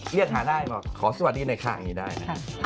เรียกหาได้ก็ขอสวัสดีในค่างนี้ได้แหละ